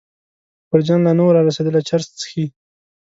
اکبرجان لا نه و را رسېدلی چرس څښي.